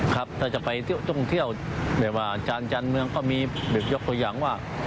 ครับถ้าจะไปเที่ยวเที่ยวเหมือนว่าจานเมืองก็มีเบียบยกตัวอย่างว่า